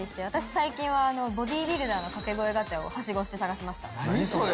最近ボディービルダーの掛け声ガチャハシゴして探しました。